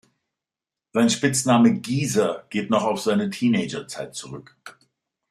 Sein Spitzname „Geezer“ geht noch auf seine Teenager-Zeit zurück.